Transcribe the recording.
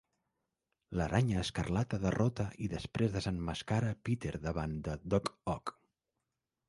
L'aranya escarlata derrota i després desemmascara Peter davant de Doc Ock.